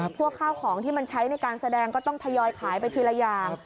ข้าวของที่มันใช้ในการแสดงก็ต้องทยอยขายไปทีละอย่าง